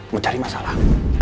mau cari masalah